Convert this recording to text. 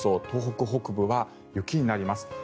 東北北部は雪になります。